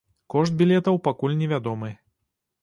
Кошт білетаў пакуль невядомы.